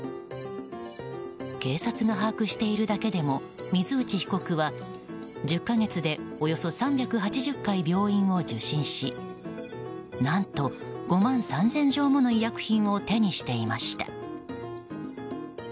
警察が把握しているだけでも水内被告は１０か月でおよそ３８０回病院を受診し何と、５万３０００錠もの医薬品を手にしていました。